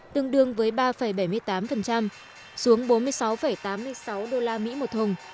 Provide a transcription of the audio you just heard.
tương đương với ba bảy mươi tám xuống bốn mươi sáu tám mươi sáu đô la mỹ một thùng